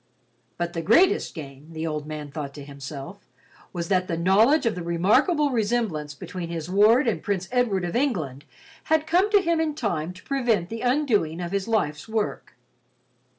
But the greatest gain, the old man thought to himself, was that the knowledge of the remarkable resemblance between his ward and Prince Edward of England had come to him in time to prevent the undoing of his life's work.